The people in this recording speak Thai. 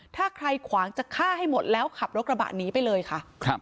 ถ้าใครขวางจะฆ่าให้หมดแล้วขับรถกระบะหนีไปเลยค่ะ